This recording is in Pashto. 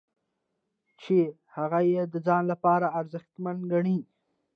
چې هغه یې د ځان لپاره ارزښتمن ګڼي.